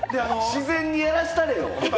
自然にやらせたれよ。